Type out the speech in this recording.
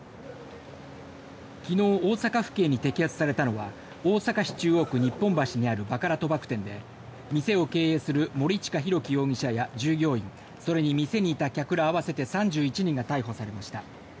昨日、大阪府警に摘発されたのは大阪市中央区日本橋にあるバカラ賭博店で店を経営する森近浩城容疑者や従業員それに店にいた客ら合わせて３１人が逮捕されました。